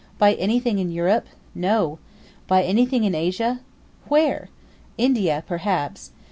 By anything in Europe? No. By anything in Asia? Where? India, perhaps.